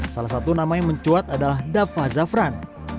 salah satu nama yang mencuat adalah dava zafran